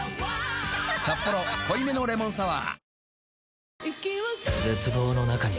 「サッポロ濃いめのレモンサワー」